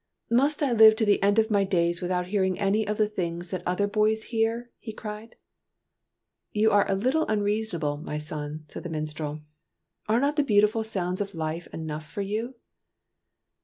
" Must I live to the end of my days without hearing any of the things that other boys hear ?" he cried. " You are a little unreasonable, my son," said the minstrel. " Are not the beautiful sounds of life enough for you